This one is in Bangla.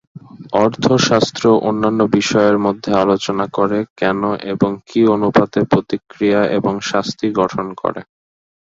অর্থশাস্ত্র অন্যান্য বিষয়ের মধ্যে আলোচনা করে, কেন এবং কী অনুপাতে প্রতিক্রিয়া এবং শাস্তি গঠন করে।